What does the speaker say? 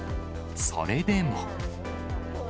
それでも。